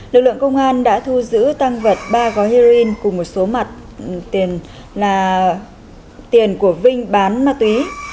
lực lượng công an đã thu giữ tang vật ba gói heroin cùng một số mặt tiền của vinh bán ma túy